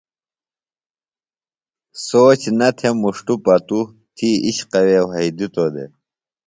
سوچ نہ تھےۡ مُݜٹوۡ پتوۡ تھی اِشقوے وھئدِتوۡ دےۡ۔